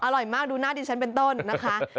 อร่อยมากดูหน้าดิฉันเป็นต้นนะคะ